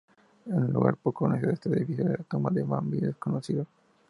Un lugar poco conocido de este edificio es la "Tumba del Mambí Desconocido".